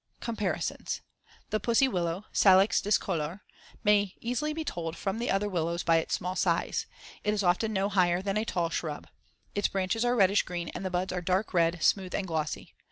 Comparisons: The pussy willow (Salix discolor) may easily be told from the other willows by its small size; it is often no higher than a tall shrub. Its branches are reddish green and the buds are dark red, smooth and glossy.